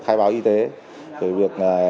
khai báo y tế về việc